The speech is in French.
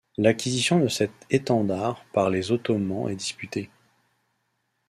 L'acquisition de cet étendard par les Ottomans est disputée.